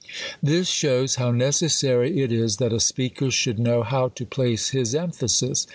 . This shows how necessary it is that a speaker should know how to place his emphasis.